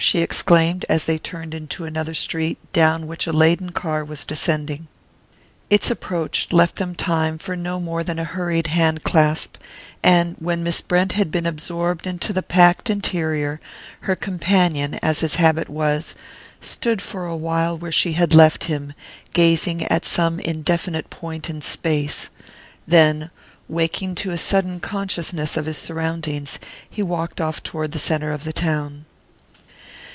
she exclaimed, as they turned into another street, down which a laden car was descending. Its approach left them time for no more than a hurried hand clasp, and when Miss Brent had been absorbed into the packed interior her companion, as his habit was, stood for a while where she had left him, gazing at some indefinite point in space; then, waking to a sudden consciousness of his surroundings, he walked off toward the centre of the town.